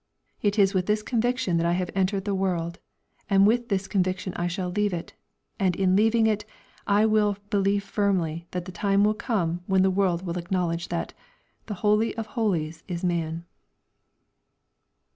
It is with this conviction that I have entered the world, and with this conviction I shall leave it, and in leaving it I will believe firmly that the time will come when the world will acknowledge that "The holy of holies is man!"